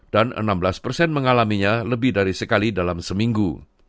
dan enam belas persen mengalaminya lebih dari sekali dalam seminggu